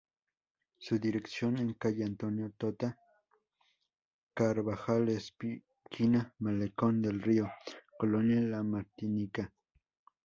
Su dirección es Calle Antonio "Tota" Carbajal esquina Malecón del Río, Colonia La Martinica.